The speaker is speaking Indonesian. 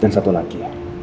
dan satu lagi